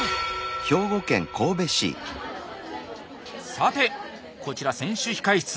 さてこちら選手控え室。